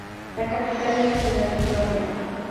La capital es la ciudad de Grodno.